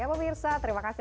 ya pemirsa terima kasih